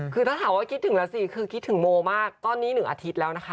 คือถ้าถามว่าคิดถึงแล้วสิคือคิดถึงโมมากตอนนี้๑อาทิตย์แล้วนะคะ